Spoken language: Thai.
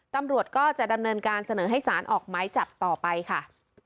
ตำรวจก็จะดำเนินการเสนอให้สารออกไม้จับต่อไปค่ะ